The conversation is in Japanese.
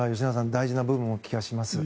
大事な部分な気がします。